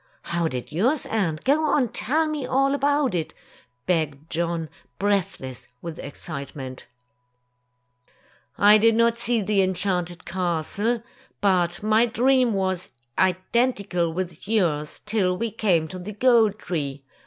"How did yours end? Go on, tell me all about it!" begged John, breathless with excitement. 48 Tales of Modern Germany 'M did not see the enchanted castle, but my dream was identical with yours till we came to the gold tree.